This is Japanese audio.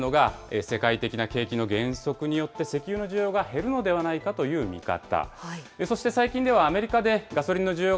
その背景にあるのが、世界的な景気の減速によって石油の需要が減るのではないかという見方。